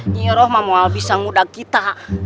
nyihirah mau abis sang muda kita